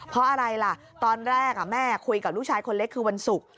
เพราะอะไรล่ะตอนแรกแม่คุยกับลูกชายคนเล็กคือวันศุกร์